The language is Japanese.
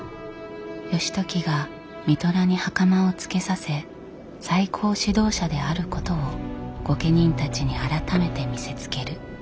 義時が三寅に袴を着けさせ最高指導者であることを御家人たちに改めて見せつける。